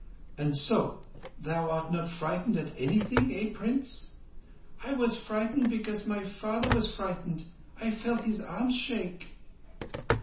"And so thou art not frightened at anything. Eh, Prince?" "I was frightened because my father was frightened. I felt his arms shake."